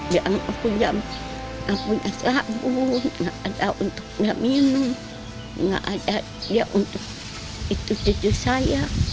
dia nggak punya sabun nggak ada untuk minum nggak ada untuk itu cucu saya